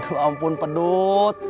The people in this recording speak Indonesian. aduh ampun pedut